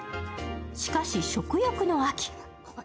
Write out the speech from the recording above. しかし、食欲の秋。